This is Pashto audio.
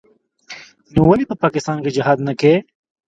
نو ولې په پاکستان کښې جهاد نه کيي.